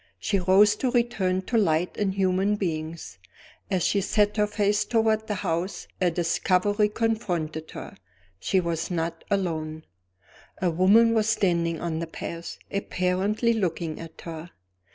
She rose to return to light and human beings. As she set her face toward the house, a discovery confronted her. She was not alone. A woman was standing on the path, apparently looking at her.